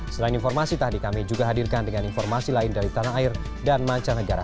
selain informasi tadi kami juga hadirkan dengan informasi lain dari tanah air dan mancanegara